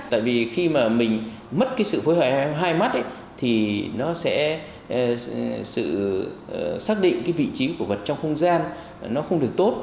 tại vì khi mà mình mất sự phối hợp hai mắt thì nó sẽ xác định vị trí của vật trong không gian nó không được tốt